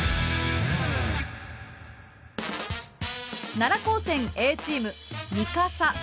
奈良高専Ａチーム「三笠」。